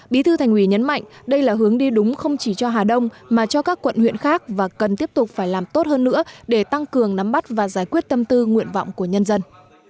bí thư thành ủy nhấn mạnh đây là hướng đi đúng không chỉ cho hà đông mà cho các quận huyện khác và cần tiếp tục phải làm tốt hơn nữa để tăng cường nắm bắt và giải quyết tâm tư nguyện vọng của nhân dân